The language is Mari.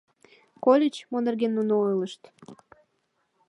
Кольыч, мо нерген нуно ойлышт?